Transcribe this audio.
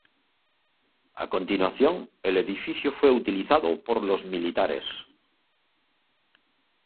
A continuación, el edificio fue utilizado por los militares.